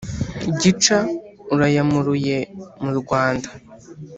gica urayamuruye mu rwanda!